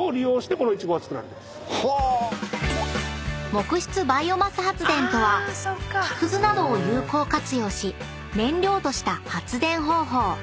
［木質バイオマス発電とは木くずなどを有効活用し燃料とした発電方法］